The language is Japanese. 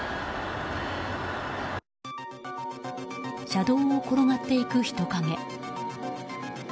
車道を転がっていく人影。